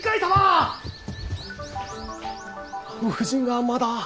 あの婦人がまだ。